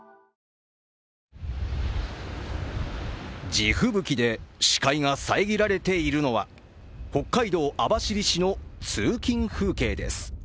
地吹雪で視界が遮られているのは北海道網走市の通勤風景です。